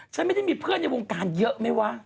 ฉันไม่ได้มีเพื่อนในวงการเยอะไหมวะ